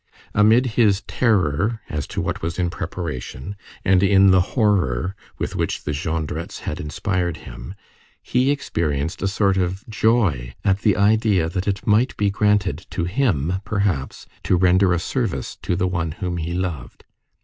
Amid his terror as to what was in preparation, and in the horror with which the Jondrettes had inspired him, he experienced a sort of joy at the idea that it might be granted to him perhaps to render a service to the one whom he loved.